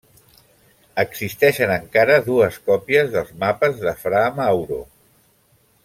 Existeixen encara dues còpies dels mapes de fra Mauro.